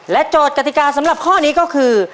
โจทย์กติกาสำหรับข้อนี้ก็คือ